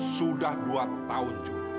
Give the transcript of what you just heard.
sudah dua tahun jul